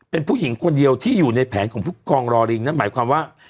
เป็นผู้หญิงคนเดียวที่อยู่ในแผนของผู้กองรอลิงนั่นหมายความว่า